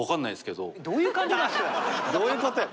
どういうことよ。